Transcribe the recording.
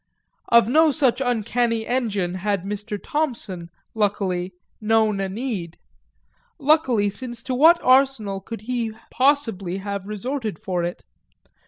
Of no such uncanny engine had Mr. Thompson, luckily, known a need luckily since to what arsenal could he possibly have resorted for it?